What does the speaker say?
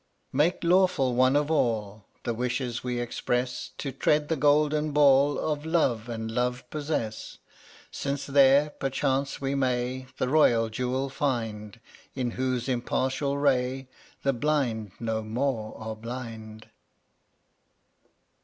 116 Make lawful one of all The wishes we express — To tread the golden ball Of Love, and love possess, Since there, perchance, we may The royal jewel find In whose impartial ray The blind no more are blind.